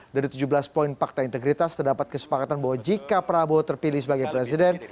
dari tujuh belas poin fakta integritas terdapat kesepakatan bahwa jika prabowo terpilih sebagai presiden